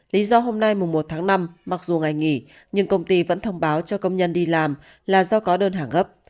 lý do hôm nay mùa một tháng năm mặc dù ngày nghỉ nhưng công ty vẫn thông báo cho công nhân đi làm là do có đơn hàng gấp